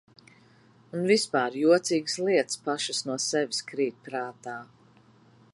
Un vispār jocīgas lietas pašas no sevis krīt prātā.